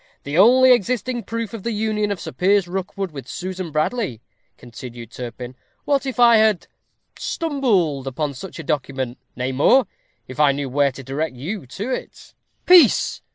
"The only existing proof of the union of Sir Piers Rookwood with Susan Bradley," continued Turpin. "What if I had stumbled upon such a document nay more, if I knew where to direct you to it?" "Peace!"